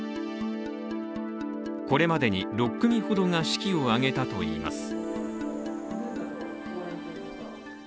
これまでに６組ほどが式を挙げたといいます。